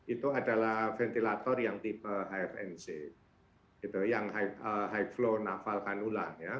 itu adalah ventilator yang tipe hfnc yang high flow naval kanula